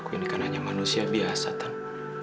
aku ingin kan hanya manusia biasa tante